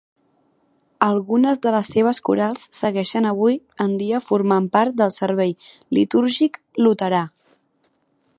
Algunes de les seves corals segueixen avui en dia formant part del servei litúrgic luterà.